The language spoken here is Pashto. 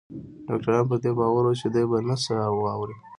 ډاکتران پر دې باور وو چې دی به نه څه واوري.